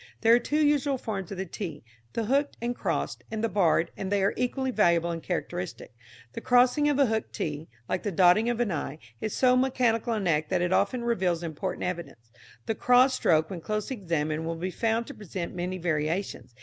There are two usual forms of the t, the hooked and crossed, and the barred, and they are equally valuable and characteristic. The crossing of a hooked t, like the dotting of an i, is so mechanical an act that it often reveals important evidence. The cross stroke when closely examined will be found to present many variations.